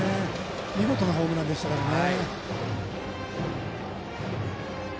見事なホームランでしたからね。